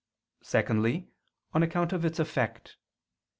Secondly, on account of its effect.